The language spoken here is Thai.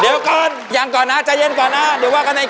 เดี๋ยวก่อนยังก่อนนะใจเย็นก่อนนะหมายความจริงเลยเลย